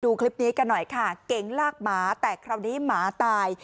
ดูคลิปนี้กันหน่อยค่ะเก๋งลากหมาแต่คราวนี้หมาตาย